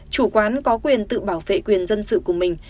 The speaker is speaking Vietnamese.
chủ quán có quyền tự bảo vệ quyền dân sự của mình